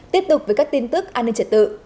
tiếp tục với các tin tức an ninh trật tự